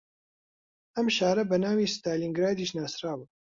ئەم شارە بە ناوی ستالینگرادیش ناسراوە